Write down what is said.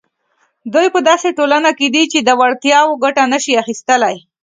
دوی په داسې ټولنه کې دي چې له وړتیاوو ګټه نه شي اخیستلای.